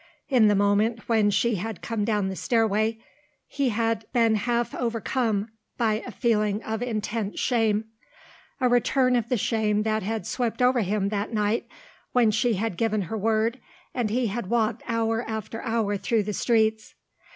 In the moment when she had come down the stairway he had been half overcome by a feeling of intense shame, a return of the shame that had swept over him that night when she had given her word and he had walked hour after hour through the streets.